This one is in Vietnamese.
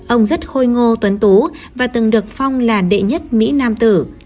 ông rất khôi ngô tuấn tú và từng được phong là đệ nhất mỹ nam tử